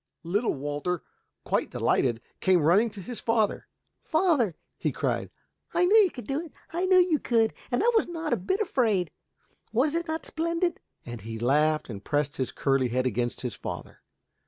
Little Walter, quite delighted, came running to his father. "Father," he cried, "I knew you could do it. I knew you could, and I was not a bit afraid. Was it not splendid?" and he laughed and pressed his curly head against his father.